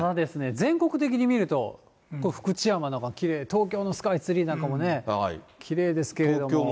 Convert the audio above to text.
全国的に見ると、これ、福知山とかきれい、東京のスカイツリーなんかもね、きれいですけれども。